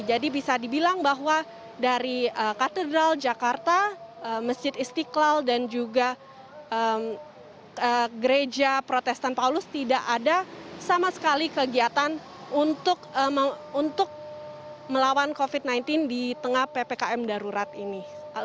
jadi bisa dibilang bahwa dari katedral jakarta masjid istiqlal dan juga gereja proteksi tidak ada sama sekali kegiatan untuk melawan covid sembilan belas di tengah ppkm darurat ini